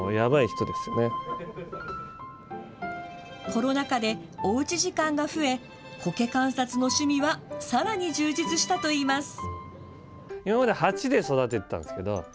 コロナ禍で、おうち時間が増えコケ観察の趣味はさらに充実したといいます。